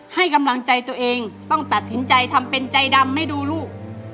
ให้กำลังใจตัวเองต้องตัดสินใจทำเป็นใจดำให้ดูลูก